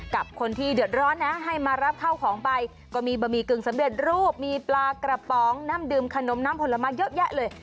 กับคนที่เดือดร้อนนะให้มารับข้าวของไปก็มีบะหมี่กึ่งสำเร็จรูปมีปลากระป๋องน้ำดื่มขนมน้ำผลไม้เยอะแยะเลย